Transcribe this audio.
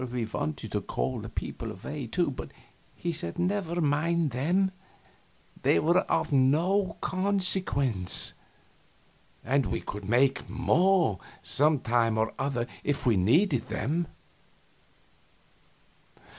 We wanted to call the people away, too, but he said never mind them; they were of no consequence, and we could make more, some time or other, if we needed them.